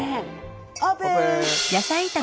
オープン！